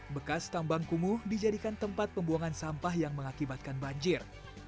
bekas tambang kumuh dijadikan tempat pembuangan sampah yang mengakibatkan banjir